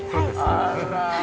あら。